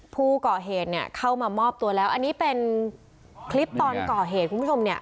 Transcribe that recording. ผู้ก่อเหตุเนี่ยเข้ามามอบตัวแล้วอันนี้เป็นคลิปตอนก่อเหตุคุณผู้ชมเนี่ย